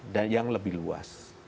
dan yang lebih luas